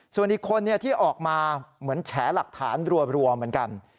ส่วนอีกคนที่ออกมาเหมือนแฉหลักฐานรัวเหมือนกัน